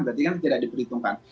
berarti kan tidak diperhitungkan